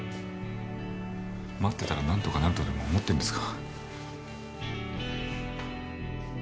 待ってたらなんとかなるとでも思ってるんですか？